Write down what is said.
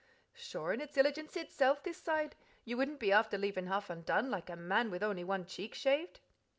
"Sure, an' it's illigence itsilf this side: you wouldn't be afther leaving half undone, like a man with only one cheek shaved."